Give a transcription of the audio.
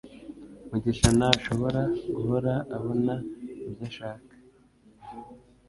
mugisha ntashobora guhora abona ibyo ashaka